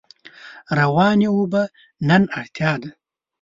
روانې اوبه نن اړتیا ده.